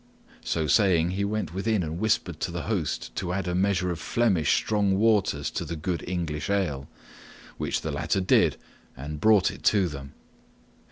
So saying, he went within and whispered to the host to add a measure of Flemish strong waters to the good English ale; which the latter did and brought it to them.